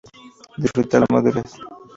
Disfrutar la madurez".